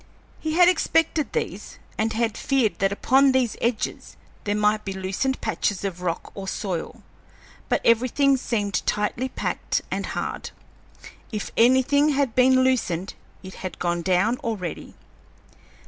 He had expected these, and had feared that upon their edges there might be loosened patches of rock or soil, but everything seemed tightly packed and hard. If anything had been loosened it had gone down already.